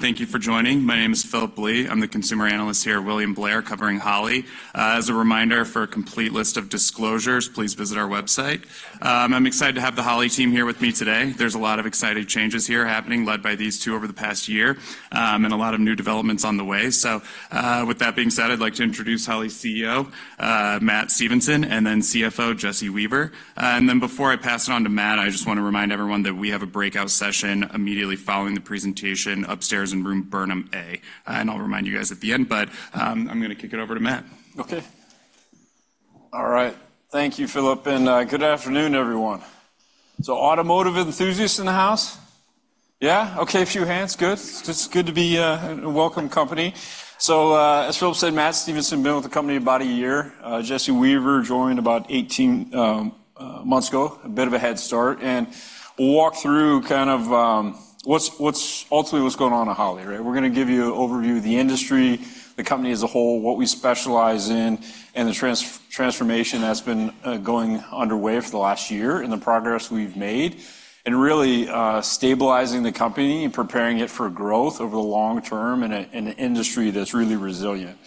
Thank you for joining. My name is Phillip Blee. I'm the consumer analyst here at William Blair, covering Holley. As a reminder, for a complete list of disclosures, please visit our website. I'm excited to have the Holley team here with me today. There's a lot of exciting changes here happening, led by these two over the past year, and a lot of new developments on the way. So, with that being said, I'd like to introduce Holley's CEO, Matt Stevenson, and then CFO Jesse Weaver. Then before I pass it on to Matt, I just want to remind everyone that we have a breakout session immediately following the presentation upstairs in Room Burnham A, and I'll remind you guys at the end. But, I'm gonna kick it over to Matt. Okay. All right. Thank you, Philip, and good afternoon, everyone. So automotive enthusiasts in the house? Yeah. Okay, a few hands. Good. It's good to be in welcome company. So, as Philip said, Matt Stevenson, been with the company about a year. Jesse Weaver joined about 18 months ago. A bit of a head start, and we'll walk through kind of what's ultimately going on at Holley, right? We're gonna give you an overview of the industry, the company as a whole, what we specialize in, and the transformation that's been going underway for the last year, and the progress we've made in really stabilizing the company and preparing it for growth over the long term in an industry that's really resilient.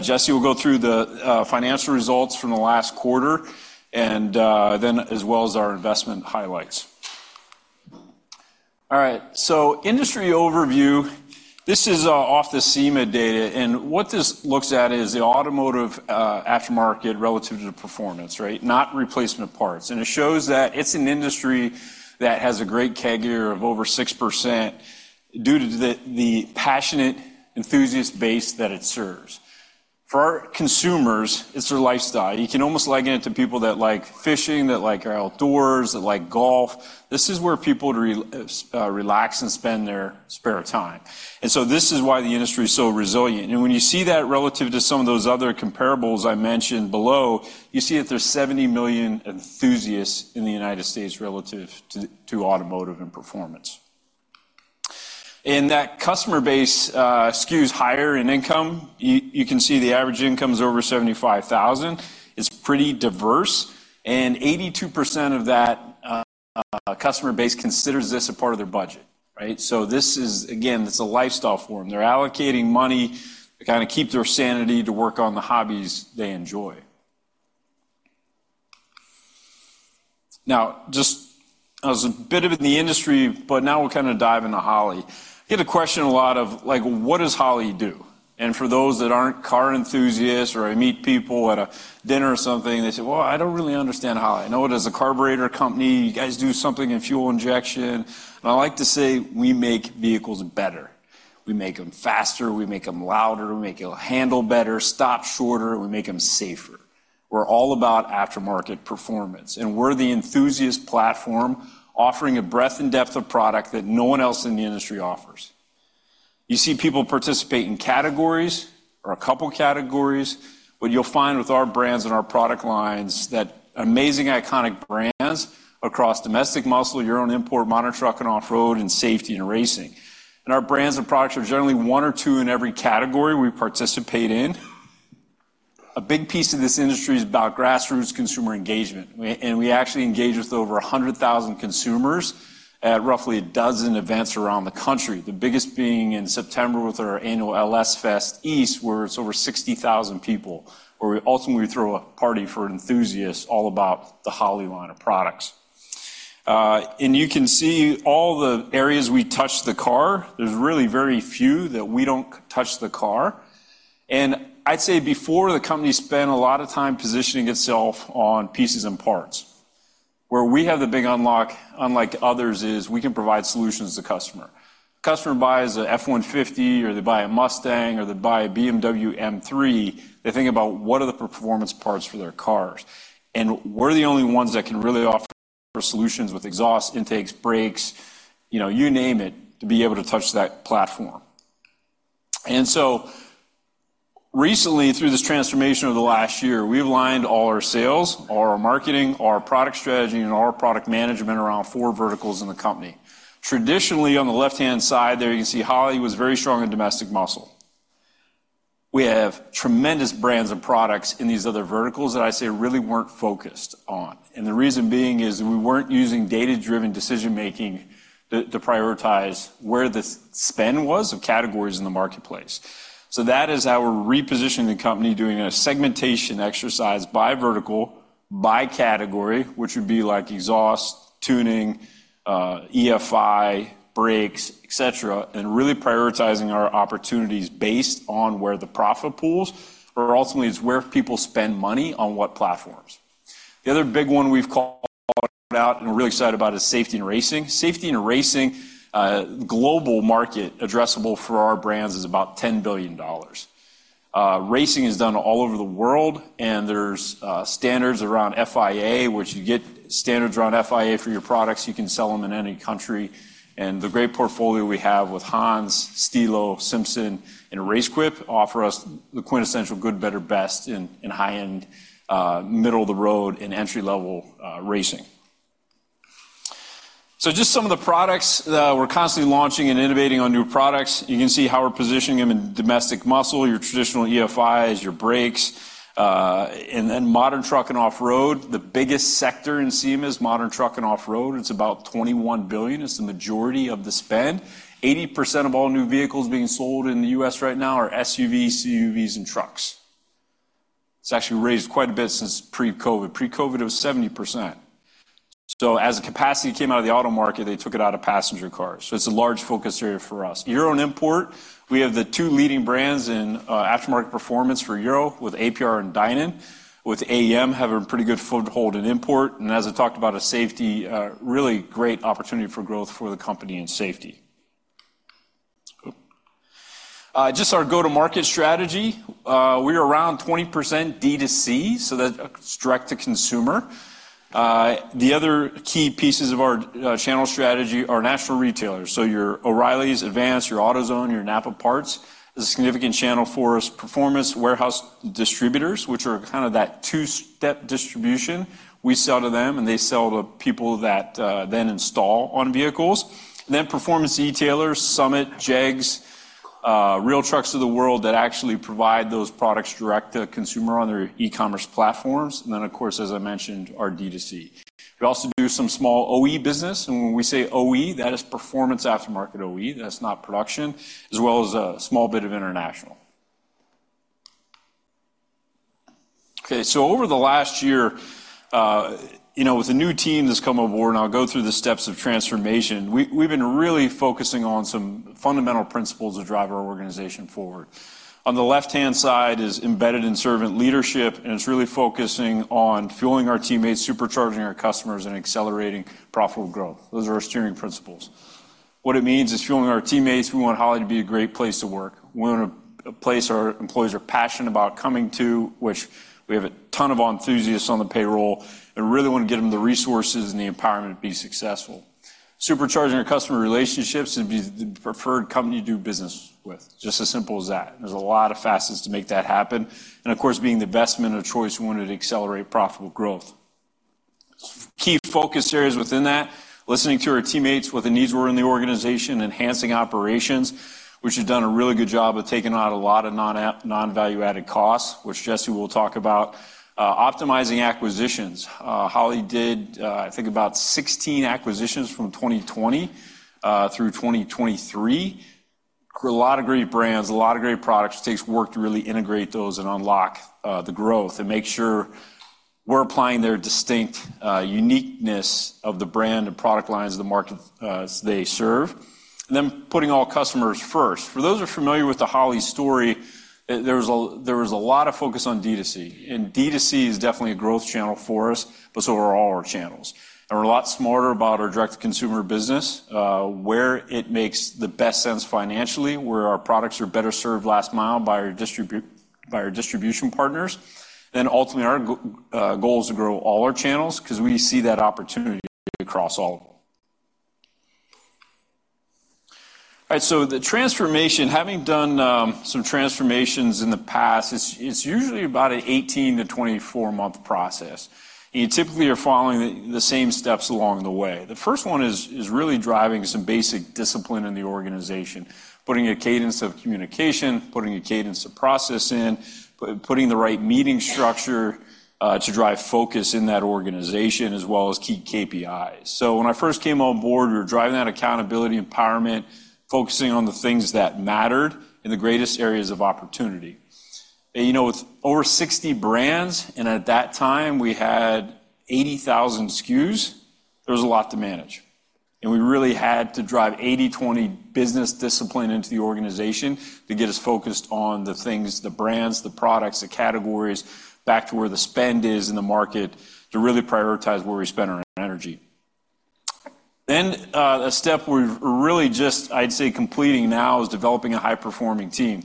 Jesse will go through the financial results from the last quarter, and then as well as our investment highlights. All right, so industry overview, this is off the SEMA data, and what this looks at is the automotive aftermarket relative to performance, right? Not replacement parts. And it shows that it's an industry that has a great CAGR of over 6% due to the passionate enthusiast base that it serves. For our consumers, it's their lifestyle. You can almost liken it to people that like fishing, that like outdoors, that like golf. This is where people relax and spend their spare time, and so this is why the industry is so resilient. And when you see that relative to some of those other comparables I mentioned below, you see that there's 70 million enthusiasts in the United States relative to automotive and performance. And that customer base skews higher in income. You, you can see the average income is over 75,000. It's pretty diverse, and 82% of that customer base considers this a part of their budget, right? So this is, again, it's a lifestyle for them. They're allocating money to kinda keep their sanity, to work on the hobbies they enjoy. Now, just as a bit of in the industry, but now we'll kind of dive into Holley. I get a question a lot of, like, what does Holley do? And for those that aren't car enthusiasts, or I meet people at a dinner or something, they say: "Well, I don't really understand Holley. I know it as a carburetor company, you guys do something in fuel injection." And I like to say: We make vehicles better. We make them faster, we make them louder, we make it handle better, stop shorter, and we make them safer. We're all about aftermarket performance, and we're the enthusiast platform offering a breadth and depth of product that no one else in the industry offers. You see people participate in categories or a couple categories, but you'll find with our brands and our product lines that amazing iconic brands across Domestic Muscle, Euro and Import, Modern Truck and Off-Road, and Safety and Racing. And our brands and products are generally one or two in every category we participate in. A big piece of this industry is about grassroots consumer engagement, and we actually engage with over 100,000 consumers at roughly a dozen events around the country. The biggest being in September with our annual LS Fest East, where it's over 60,000 people, where we ultimately throw a party for enthusiasts all about the Holley line of products. And you can see all the areas we touch the car. There's really very few that we don't touch the car, and I'd say before, the company spent a lot of time positioning itself on pieces and parts. Where we have the big unlock, unlike others, is we can provide solutions to the customer. Customer buys a F-150, or they buy a Mustang, or they buy a BMW M3, they think about what are the performance parts for their cars, and we're the only ones that can really offer solutions with exhaust, intakes, brakes, you know, you name it, to be able to touch that platform. And so recently, through this transformation over the last year, we've aligned all our sales, all our marketing, all our product strategy, and all our product management around four verticals in the company. Traditionally, on the left-hand side there, you can see Holley was very strong in Domestic Muscle. We have tremendous brands and products in these other verticals that I'd say really weren't focused on, and the reason being is we weren't using data-driven decision-making to prioritize where the spend was of categories in the marketplace. So that is how we're repositioning the company, doing a segmentation exercise by vertical, by category, which would be like exhaust, tuning, EFI, brakes, et cetera, and really prioritizing our opportunities based on where the profit pools, or ultimately, it's where people spend money on what platforms. The other big one we've called out and we're really excited about is safety and racing. Safety and racing, global market addressable for our brands is about $10 billion. Racing is done all over the world, and there's standards around FIA, which you get standards around FIA for your products, you can sell them in any country. And the great portfolio we have with HANS, Stilo, Simpson, and RaceQuip offer us the quintessential good, better, best in high-end, middle-of-the-road, and entry-level racing. Just some of the products, we're constantly launching and innovating on new products. You can see how we're positioning them in Domestic Muscle, your traditional EFIs, your brakes. And then Modern Truck & Off-Road, the biggest sector in SEMA is Modern Truck & Off-Road. It's about $21 billion. It's the majority of the spend. 80% of all new vehicles being sold in the US right now are SUVs, CUVs, and trucks. It's actually raised quite a bit since pre-COVID. Pre-COVID, it was 70%. So as the capacity came out of the auto market, they took it out of passenger cars, so it's a large focus area for us. Euro & Import, we have the two leading brands in aftermarket performance for Euro, with APR and Dinan, with AEM, have a pretty good foothold in import, and as I talked about, in safety, really great opportunity for growth for the company in safety. Just our go-to-market strategy, we're around 20% D2C, so that's direct to consumer. The other key pieces of our channel strategy are national retailers. So your O'Reilly's, Advance, your AutoZone, your NAPA Parts, is a significant channel for us. Performance warehouse distributors, which are kind of that two-step distribution. We sell to them, and they sell to people that then install on vehicles. Then performance e-tailers, Summit, JEGS, RealTruck of the world that actually provide those products direct to consumer on their e-commerce platforms, and then, of course, as I mentioned, our D2C. We also do some small OE business, and when we say OE, that is performance aftermarket OE, that's not production, as well as a small bit of international. Okay, so over the last year, you know, with the new team that's come on board, and I'll go through the steps of transformation, we, we've been really focusing on some fundamental principles to drive our organization forward. On the left-hand side is embedded in servant leadership, and it's really focusing on fueling our teammates, supercharging our customers, and accelerating profitable growth. Those are our steering principles. What it means is fueling our teammates, we want Holley to be a great place to work. We want a place our employees are passionate about coming to, which we have a ton of enthusiasts on the payroll and really want to get them the resources and the empowerment to be successful. Supercharging our customer relationships and be the preferred company to do business with. Just as simple as that. There's a lot of facets to make that happen, and of course, being the best men of choice, we wanted to accelerate profitable growth. Key focus areas within that, listening to our teammates, what the needs were in the organization, enhancing operations, which has done a really good job of taking out a lot of non-value-added costs, which Jesse will talk about. Optimizing acquisitions. Holley did, I think, about 16 acquisitions from 2020 through 2023. Grew a lot of great brands, a lot of great products. It takes work to really integrate those and unlock the growth and make sure we're applying their distinct uniqueness of the brand and product lines of the market they serve. Then putting all customers first. For those who are familiar with the Holley story, there was a lot of focus on D2C, and D2C is definitely a growth channel for us, but so are all our channels. We're a lot smarter about our direct-to-consumer business, where it makes the best sense financially, where our products are better served last mile by our distribution partners. Ultimately, our goal is to grow all our channels 'cause we see that opportunity across all of them. All right, the transformation, having done some transformations in the past, it's usually about an 18-24-month process. You typically are following the same steps along the way. The first one is really driving some basic discipline in the organization, putting a cadence of communication, putting a cadence of process in, putting the right meeting structure to drive focus in that organization, as well as key KPIs. So when I first came on board, we were driving that accountability, empowerment, focusing on the things that mattered in the greatest areas of opportunity. And, you know, with over 60 brands, and at that time, we had 80,000 SKUs, there was a lot to manage. And we really had to drive 80/20 business discipline into the organization to get us focused on the things, the brands, the products, the categories, back to where the spend is in the market, to really prioritize where we spend our energy. Then a step we're really just, I'd say, completing now is developing a high-performing team.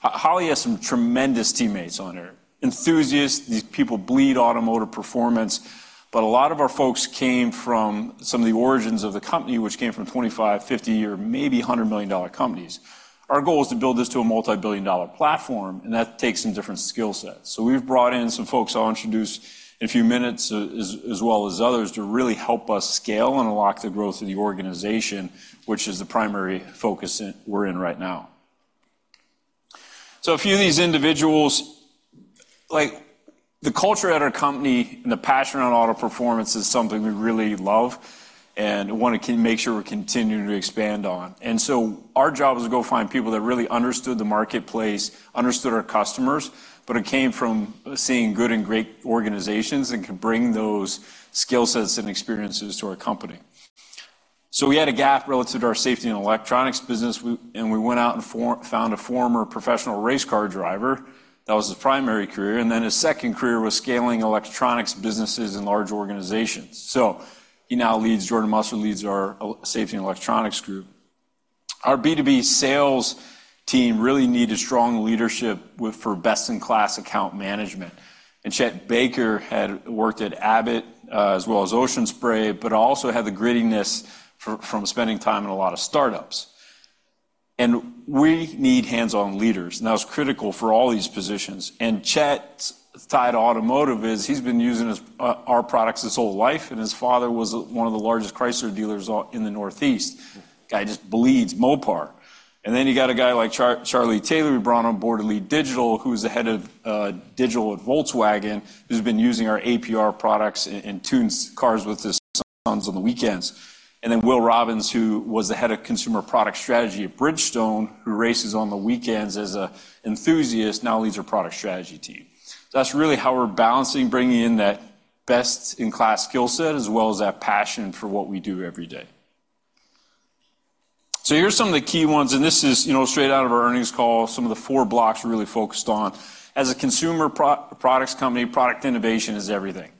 Holley has some tremendous teammates on here. Enthusiasts, these people bleed automotive performance, but a lot of our folks came from some of the origins of the company, which came from $25 million, $50 million, or maybe $100 million companies. Our goal is to build this to a multi-billion-dollar platform, and that takes some different skill sets. So we've brought in some folks I'll introduce in a few minutes, as well as others, to really help us scale and unlock the growth of the organization, which is the primary focus we're in right now. So a few of these individuals... Like, the culture at our company and the passion around auto performance is something we really love and wanna make sure we continue to expand on. Our job was to go find people that really understood the marketplace, understood our customers, but it came from seeing good and great organizations and can bring those skill sets and experiences to our company. So we had a gap relative to our safety and electronics business, and we went out and found a former professional race car driver. That was his primary career, and then his second career was scaling electronics businesses in large organizations. So Jordan Musser leads our safety and electronics group. Our B2B sales team really needed strong leadership for best-in-class account management, and Chet Baker had worked at Abbott, as well as Ocean Spray, but also had the grittiness from spending time in a lot of startups. We need hands-on leaders, and that's critical for all these positions. Chet's tie to automotive is he's been using our products his whole life, and his father was one of the largest Chrysler dealers all in the Northeast. Guy just bleeds Mopar. Then you got a guy like Charlie Taylor, we brought on board to lead digital, who's the head of digital at Volkswagen, who's been using our APR products and tunes cars with his sons on the weekends. Then Will Robbins, who was the head of consumer product strategy at Bridgestone, who races on the weekends as an enthusiast, now leads our product strategy team. So that's really how we're balancing, bringing in that best-in-class skill set, as well as that passion for what we do every day. So here are some of the key ones, and this is, you know, straight out of our earnings call, some of the four blocks we're really focused on. As a consumer products company, product innovation is everything,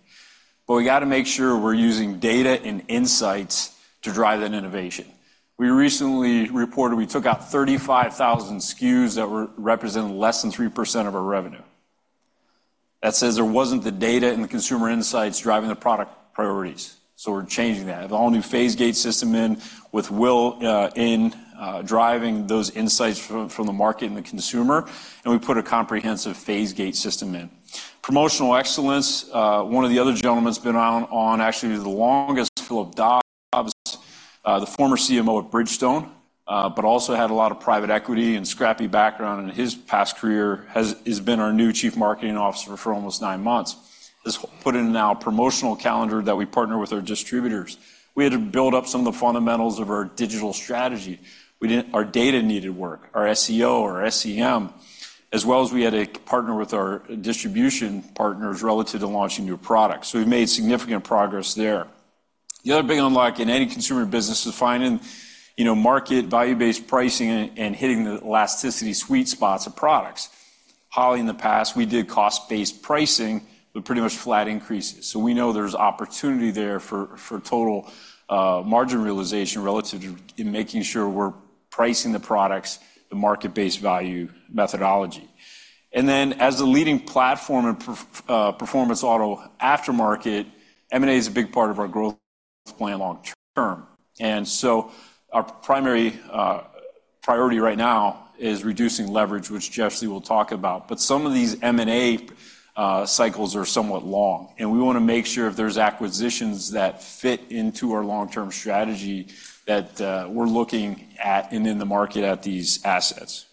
but we got to make sure we're using data and insights to drive that innovation. We recently reported we took out 35,000 SKUs that were representing less than 3% of our revenue. That says there wasn't the data and the consumer insights driving the product priorities, so we're changing that. Have all new phase gate system in with Will in driving those insights from the market and the consumer, and we put a comprehensive phase gate system in. Promotional excellence, one of the other gentlemen's been on, on actually the longest, Philip Dobbs, the former SEMAO at Bridgestone, but also had a lot of private equity and scrappy background in his past career. He's been our new Chief Marketing Officer for almost nine months. Has put in now a promotional calendar that we partner with our distributors. We had to build up some of the fundamentals of our digital strategy. We didn't. Our data needed work, our SEO, our SEM, as well as we had to partner with our distribution partners relative to launching new products. So we've made significant progress there. The other big unlock in any consumer business is finding, you know, market value-based pricing and, and hitting the elasticity sweet spots of products. Holley, in the past, we did cost-based pricing with pretty much flat increases. So we know there's opportunity there for total margin realization relative to making sure we're pricing the products the market-based value methodology. And then, as the leading platform in perf performance auto aftermarket, M&A is a big part of our growth plan long term. And so our primary priority right now is reducing leverage, which Jesse will talk about. But some of these M&A cycles are somewhat long, and we wanna make sure if there's acquisitions that fit into our long-term strategy, that we're looking at and in the market at these assets.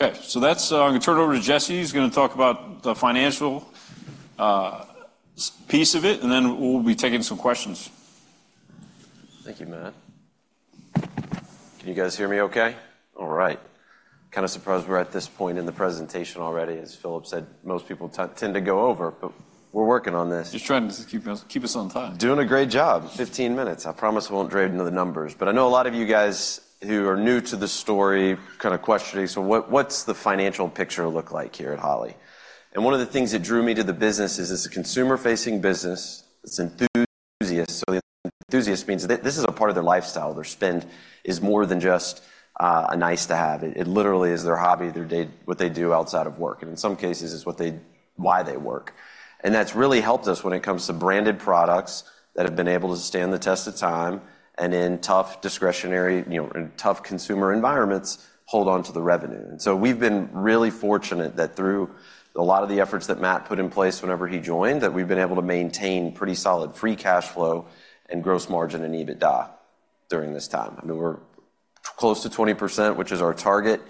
Okay, so that's, I'm gonna turn it over to Jesse. He's gonna talk about the financial piece of it, and then we'll be taking some questions. Thank you, Matt. Can you guys hear me okay? All right. Kind of surprised we're at this point in the presentation already. As Philip said, most people tend to go over, but we're working on this. Just trying to keep us on time. Doing a great job, 15 minutes. I promise we won't drape into the numbers, but I know a lot of you guys who are new to this story kind of questioning, "So what, what's the financial picture look like here at Holley?" And one of the things that drew me to the business is it's a consumer-facing business, it's enthusiast. So the enthusiast means this is a part of their lifestyle. Their spend is more than just a nice to have. It literally is their hobby, their day, what they do outside of work, and in some cases, it's what they, why they work. And that's really helped us when it comes to branded products that have been able to stand the test of time and in tough discretionary, you know, in tough consumer environments, hold on to the revenue. We've been really fortunate that through a lot of the efforts that Matt put in place whenever he joined, that we've been able to maintain pretty solid free cash flow and gross margin and EBITDA during this time. I mean, we're close to 20%, which is our target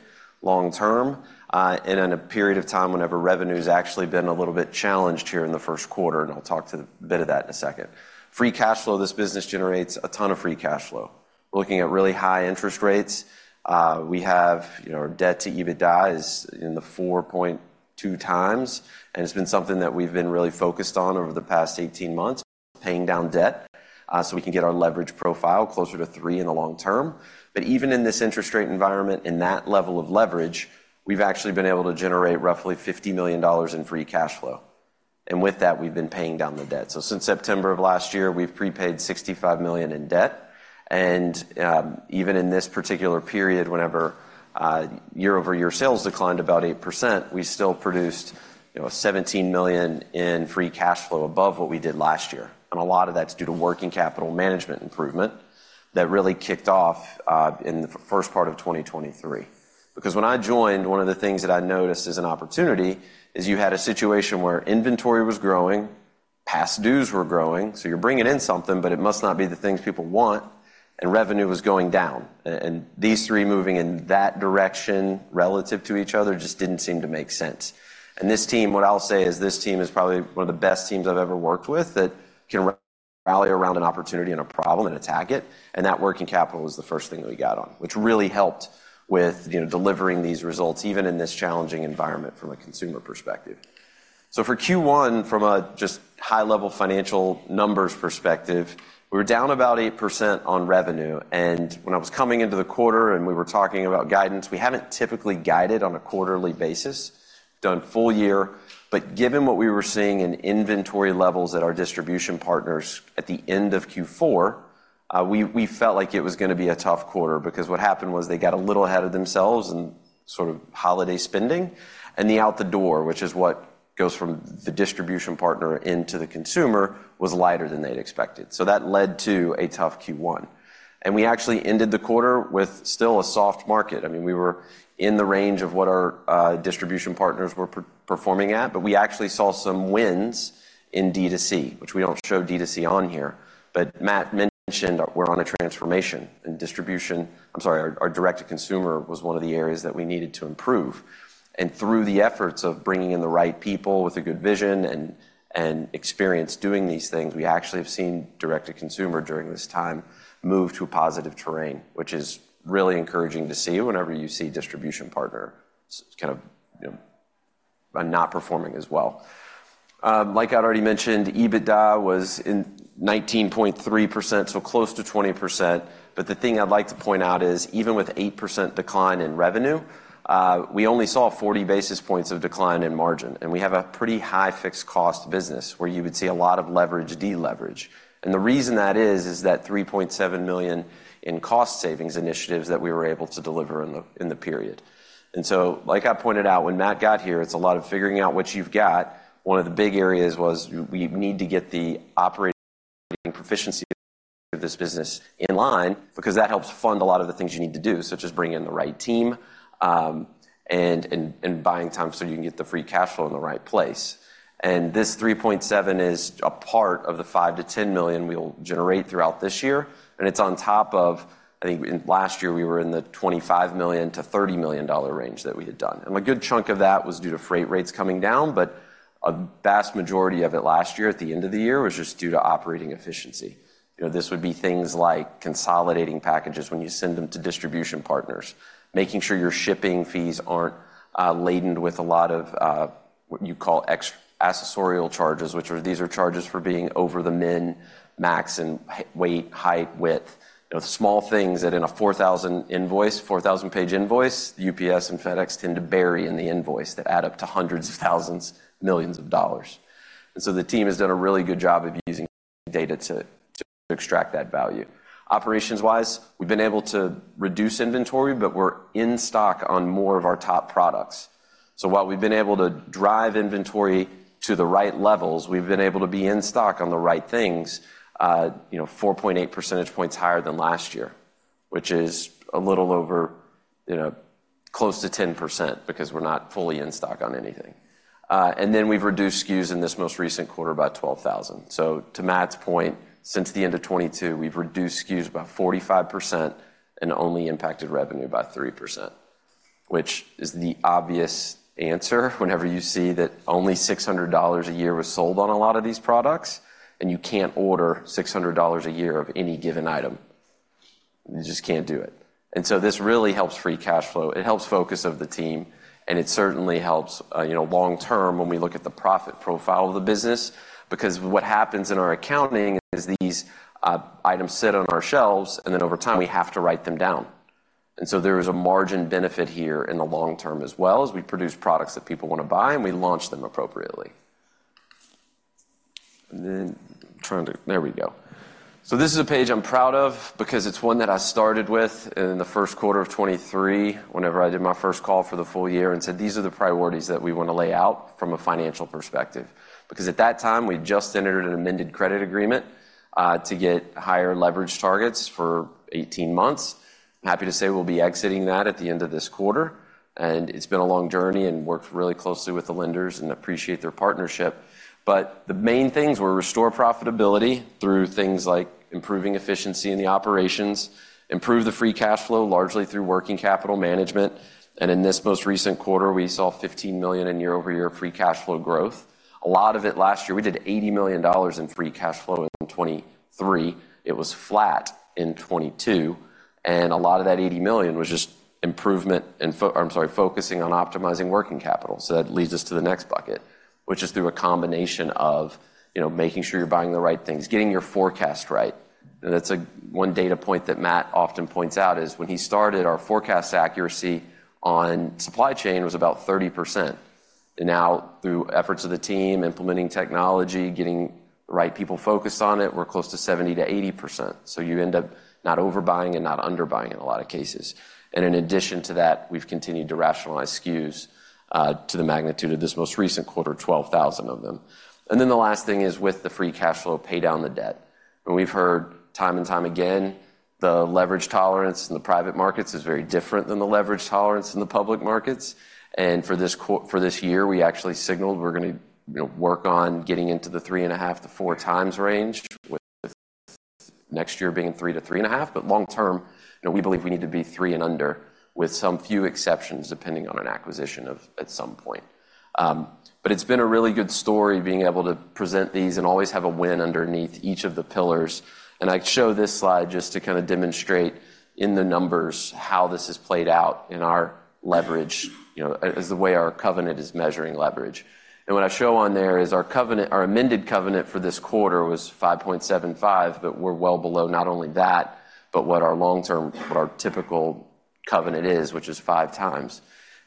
long term, and in a period of time whenever revenue's actually been a little bit challenged here in the first quarter, and I'll talk to a bit of that in a second. Free cash flow, this business generates a ton of free cash flow. We're looking at really high interest rates. We have, you know, our debt to EBITDA is in the 4.2x, and it's been something that we've been really focused on over the past 18 months, paying down debt, so we can get our leverage profile closer to 3 in the long term. But even in this interest rate environment, in that level of leverage, we've actually been able to generate roughly $50 million in free cash flow, and with that, we've been paying down the debt. So since September of last year, we've prepaid $65 million in debt, and even in this particular period, whenever year-over-year sales declined about 8%, we still produced, you know, $17 million in free cash flow above what we did last year. And a lot of that's due to working capital management improvement that really kicked off in the first part of 2023. Because when I joined, one of the things that I noticed as an opportunity is you had a situation where inventory was growing, past dues were growing, so you're bringing in something, but it must not be the things people want, and revenue was going down. And these three moving in that direction relative to each other just didn't seem to make sense. And this team, what I'll say is this team is probably one of the best teams I've ever worked with that can rally around an opportunity and a problem and attack it. And that working capital was the first thing that we got on, which really helped with, you know, delivering these results, even in this challenging environment from a consumer perspective. So for Q1, from a just high-level financial numbers perspective, we were down about 8% on revenue, and when I was coming into the quarter and we were talking about guidance, we haven't typically guided on a quarterly basis, done full year. But given what we were seeing in inventory levels at our distribution partners at the end of Q4, we felt like it was gonna be a tough quarter because what happened was they got a little ahead of themselves, and sort of holiday spending, and the out the door, which is what goes from the distribution partner into the consumer, was lighter than they'd expected. So that led to a tough Q1. And we actually ended the quarter with still a soft market. I mean, we were in the range of what our distribution partners were performing at, but we actually saw some wins in D2C, which we don't show D2C on here. But Matt mentioned we're on a transformation, and distribution. I'm sorry, our direct-to-consumer was one of the areas that we needed to improve. And through the efforts of bringing in the right people with a good vision and experience doing these things, we actually have seen direct-to-consumer during this time move to a positive terrain, which is really encouraging to see whenever you see a distribution partner kind of, you know, not performing as well. Like I'd already mentioned, EBITDA was 19.3%, so close to 20%. But the thing I'd like to point out is, even with 8% decline in revenue, we only saw 40 basis points of decline in margin, and we have a pretty high fixed cost business, where you would see a lot of leverage deleverage. And the reason that is, is that $3.7 million in cost savings initiatives that we were able to deliver in the period. And so, like I pointed out, when Matt got here, it's a lot of figuring out what you've got. One of the big areas was we need to get the operating proficiency of this business in line because that helps fund a lot of the things you need to do, such as bring in the right team, and buying time so you can get the free cash flow in the right place. This 3.7 is a part of the $5 million-$10 million we will generate throughout this year, and it's on top of, I think in last year, we were in the $25 million-$30 million range that we had done. A good chunk of that was due to freight rates coming down, but a vast majority of it last year, at the end of the year, was just due to operating efficiency. You know, this would be things like consolidating packages when you send them to distribution partners, making sure your shipping fees aren't laden with a lot of, what you call accessorial charges, which are, these are charges for being over the min, max in weight, height, width. You know, the small things that in a $4,000 invoice, 4,000-page invoice, UPS and FedEx tend to bury in the invoice that add up to hundreds of thousands, millions of dollars. So the team has done a really good job of using data to extract that value. Operations-wise, we've been able to reduce inventory, but we're in stock on more of our top products. So while we've been able to drive inventory to the right levels, we've been able to be in stock on the right things, you know, 4.8 percentage points higher than last year, which is a little over, you know, close to 10% because we're not fully in stock on anything. And then we've reduced SKUs in this most recent quarter by 12,000. So to Matt's point, since the end of 2022, we've reduced SKUs by 45% and only impacted revenue by 3%, which is the obvious answer whenever you see that only $600 a year was sold on a lot of these products, and you can't order $600 a year of any given item. You just can't do it. And so this really helps free cash flow, it helps focus of the team, and it certainly helps, you know, long term when we look at the profit profile of the business, because what happens in our accounting is these items sit on our shelves, and then over time, we have to write them down. And so there is a margin benefit here in the long term as well, as we produce products that people want to buy, and we launch them appropriately. So this is a page I'm proud of because it's one that I started with in the first quarter of 2023, whenever I did my first call for the full year, and said, "These are the priorities that we want to lay out from a financial perspective." Because at that time, we just entered an amended credit agreement to get higher leverage targets for 18 months. I'm happy to say we'll be exiting that at the end of this quarter, and it's been a long journey and worked really closely with the lenders and appreciate their partnership. But the main things were restore profitability through things like improving efficiency in the operations, improve the free cash flow, largely through working capital management. And in this most recent quarter, we saw $15 million in year-over-year free cash flow growth. A lot of it last year, we did $80 million in free cash flow in 2023. It was flat in 2022, and a lot of that $80 million was just improvement in, I'm sorry, focusing on optimizing working capital. So that leads us to the next bucket, which is through a combination of, you know, making sure you're buying the right things, getting your forecast right. That's one data point that Matt often points out, is when he started, our forecast accuracy on supply chain was about 30%. And now, through efforts of the team, implementing technology, getting the right people focused on it, we're close to 70%-80%. So you end up not overbuying and not underbuying in a lot of cases. In addition to that, we've continued to rationalize SKUs to the magnitude of this most recent quarter, 12,000 of them. Then the last thing is with the free cash flow, pay down the debt. We've heard time and time again, the leverage tolerance in the private markets is very different than the leverage tolerance in the public markets. For this year, we actually signaled we're gonna, you know, work on getting into the 3.5-4x range, with next year being 3-3.5x. But long term, you know, we believe we need to be 3x and under, with some few exceptions, depending on an acquisition at some point. But it's been a really good story, being able to present these and always have a win underneath each of the pillars. I show this slide just to kinda demonstrate in the numbers how this has played out in our leverage, you know, as the way our covenant is measuring leverage. What I show on there is our covenant, our amended covenant for this quarter was 5.75, but we're well below not only that, but what our long-term, what our typical covenant is, which is 5x.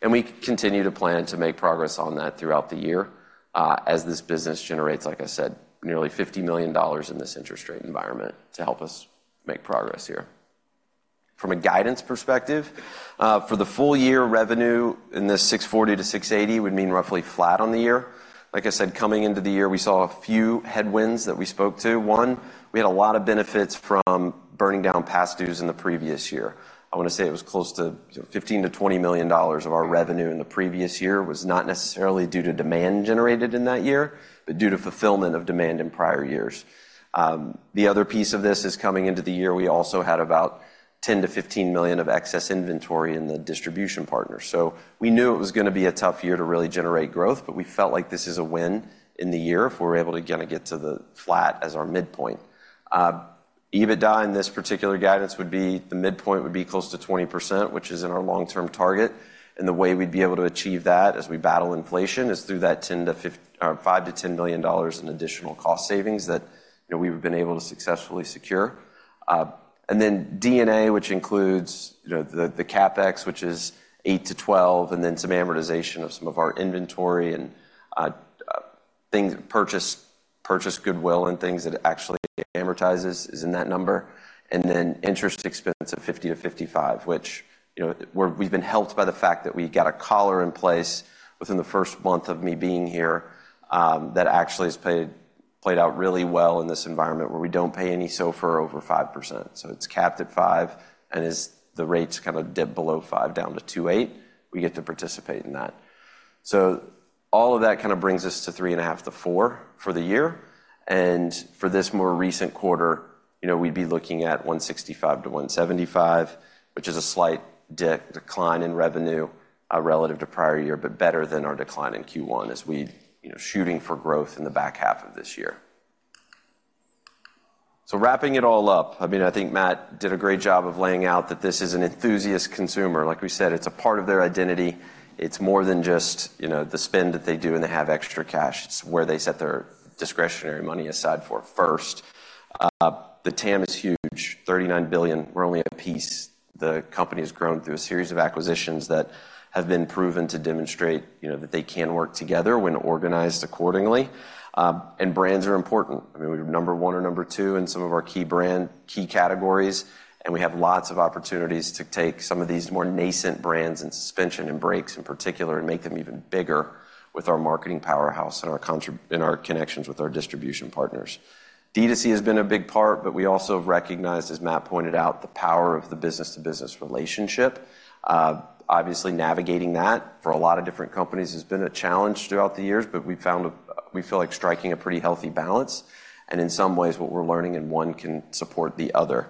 We continue to plan to make progress on that throughout the year... as this business generates, like I said, nearly $50 million in this interest rate environment to help us make progress here. From a guidance perspective, for the full year revenue in this $640 million-$680 million would mean roughly flat on the year. Like I said, coming into the year, we saw a few headwinds that we spoke to. One, we had a lot of benefits from burning down past dues in the previous year. I want to say it was close to $15 million-$20 million of our revenue in the previous year, was not necessarily due to demand generated in that year, but due to fulfillment of demand in prior years. The other piece of this is coming into the year, we also had about $10 million-$15 million of excess inventory in the distribution partner. So we knew it was gonna be a tough year to really generate growth, but we felt like this is a win in the year if we're able to kinda get to the flat as our midpoint. EBITDA in this particular guidance would be, the midpoint would be close to 20%, which is in our long-term target, and the way we'd be able to achieve that as we battle inflation is through that $10 million-$50 million or $5 million-$10 million in additional cost savings that, you know, we've been able to successfully secure. And then D&A, which includes, you know, the CapEx, which is $8 million-$12 million, and then some amortization of some of our inventory and things purchased, goodwill and things that it actually amortizes is in that number. And then interest expense of $50-$55, which, you know, we've been helped by the fact that we got a collar in place within the first month of me being here, that actually has played out really well in this environment where we don't pay any SOFR over 5%. So it's capped at 5%, and as the rates kinda dip below 5% down to 2.8%, we get to participate in that. So all of that kinda brings us to $3.5-$4 for the year. And for this more recent quarter, you know, we'd be looking at $165-$175, which is a slight decline in revenue relative to prior year, but better than our decline in Q1 as we, you know, shooting for growth in the back half of this year. So wrapping it all up, I mean, I think Matt did a great job of laying out that this is an enthusiast consumer. Like we said, it's a part of their identity. It's more than just, you know, the spend that they do, and they have extra cash. It's where they set their discretionary money aside for first. The TAM is huge, $39 billion. We're only a piece. The company has grown through a series of acquisitions that have been proven to demonstrate, you know, that they can work together when organized accordingly. And brands are important. I mean, we're number one or number two in some of our key brand, key categories, and we have lots of opportunities to take some of these more nascent brands and suspension and brakes in particular, and make them even bigger with our marketing powerhouse and our connections with our distribution partners. D2C has been a big part, but we also recognize, as Matt pointed out, the power of the business to business relationship. Obviously, navigating that for a lot of different companies has been a challenge throughout the years, but we found we feel like striking a pretty healthy balance, and in some ways, what we're learning in one can support the other.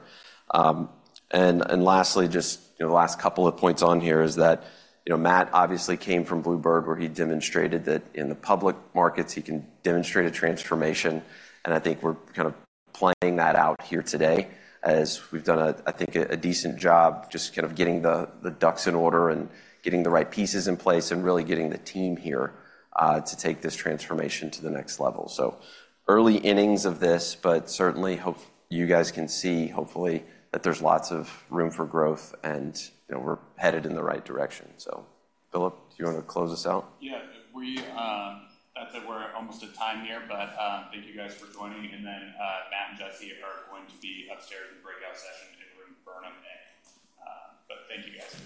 And lastly, just, you know, last couple of points on here is that, you know, Matt obviously came from Blue Bird, where he demonstrated that in the public markets, he can demonstrate a transformation, and I think we're kind of playing that out here today as we've done a, I think, a decent job just kind of getting the ducks in order and getting the right pieces in place and really getting the team here to take this transformation to the next level. So early innings of this, but certainly hope you guys can see, hopefully, that there's lots of room for growth and, you know, we're headed in the right direction. So, Philip, do you wanna close us out? Yeah. We're almost at time here, but thank you guys for joining. And then, Matt and Jesse are going to be upstairs in breakout session in Room Burnham A. But thank you, guys.